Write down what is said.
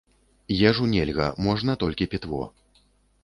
Ежу нельга, можна толькі пітво.